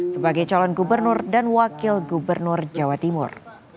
sebagai calon gubernur dan wakil gubernur jawa timur